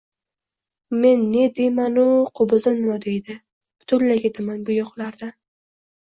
— «Men na deymanu, qo‘bizim na deydi!» Butunlay ketaman bu yoqlardan…